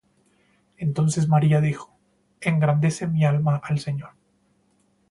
Entonces María dijo: engrandece mi alma al Señor;